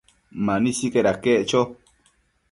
Mani sicaid aquec cho